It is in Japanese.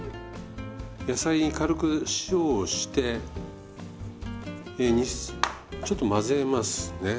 野菜に軽く塩をしてちょっと混ぜますね。